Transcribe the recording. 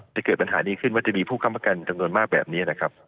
จะเกิดปัญหานี้ขึ้นว่าจะมีผู้ค้ำประกันจำนวนมากแบบนี้นะครับ